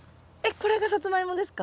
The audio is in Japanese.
これがサツマイモですか？